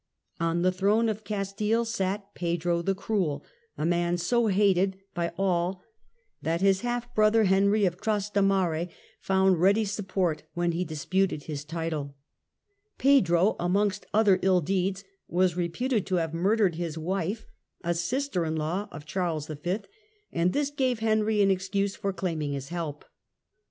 On the throne of Cas tile sat Pedro the Cruel, a man so hated by all that his half brother Henry of Trastamare found ready support when he disputed his title. Pedro, amongst other ill deeds, was reputed to have murdered his wife, a sister in law of Charles V., and this gave Henry an excuse for claiming his help.